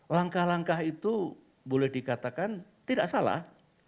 langkah langkah itu boleh dikatakan tidak salah